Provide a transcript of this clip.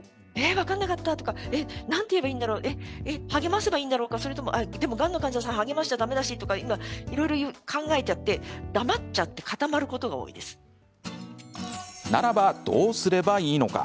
分かんなかったとかなんて言えばいいんだろう励ませばいいんだろうかそれとも、でも、がんの患者さん励ましちゃだめだしとかいろいろ考えちゃってならば、どうすればいいのか。